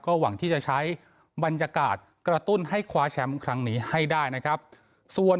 หวังที่จะใช้บรรยากาศกระตุ้นให้คว้าแชมป์ครั้งนี้ให้ได้นะครับส่วน